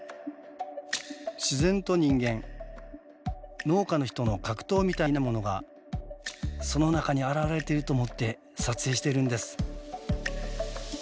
自然と人間農家の人の格闘みたいなものがその中に表れていると思って撮影してるんです。